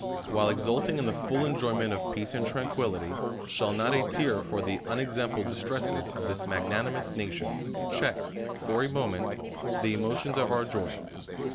While exulting in the fuJI enjoyment of peace and tran fuillity, shall not a tear for the unexampled distresses of this magnanimous nation, check, for a moment, the emotions of our joy